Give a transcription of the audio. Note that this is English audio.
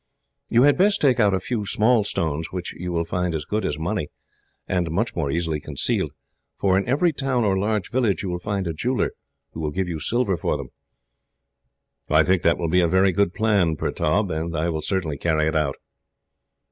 "You had best take out a few small stones, which you will find as good as money, and much more easily concealed, for in every town or large village you will find a jeweller, who will give you silver for them." "I think that will be a very good plan, Pertaub, and will certainly carry it out."